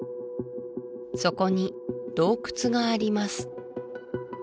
そこに洞窟があります